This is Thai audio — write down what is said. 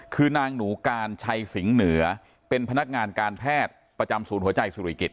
คือนางหนูการชัยสิงห์เหนือเป็นพนักงานการแพทย์ประจำศูนย์หัวใจสุริกิจ